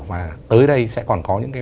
và tới đây sẽ còn có những cái